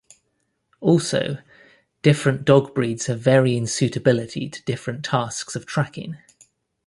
Also, different dog breeds have varying suitability to different tasks of tracking.